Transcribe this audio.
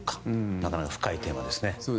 なかなか深いテーマですね。